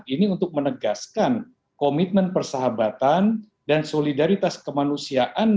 ini untuk menegaskan komitmen persahabatan dan solidaritas kemanusiaan